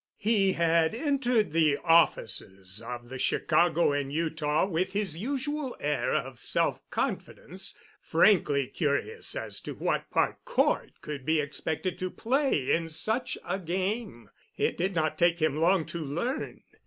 He had entered the offices of the Chicago and Utah with his usual air of self confidence, frankly curious as to what part Cort could be expected to play in such a big game. It did not take him long to learn.